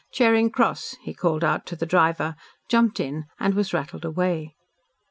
"Charing Cross," he called out to the driver, jumped in, and was rattled away. .